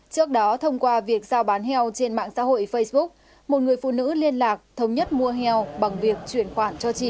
trước đó thông qua việc giao bán heo trên mạng xã hội facebook một người phụ nữ liên lạc thống nhất mua heo bằng việc chuyển khoản cho chị